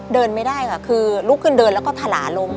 เดินไม่ได้ค่ะคือลุกขึ้นเดินแล้วก็ถลาล้ม